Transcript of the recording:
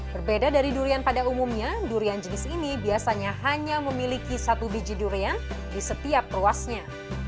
berbeda dari durian pada umumnya durian jenis ini biasanya hanya memiliki satu biji durian di setiap ruasnya